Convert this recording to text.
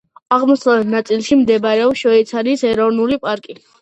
აღმოსავლეთ ნაწილში მდებარეობს შვეიცარიის ეროვნული პარკი.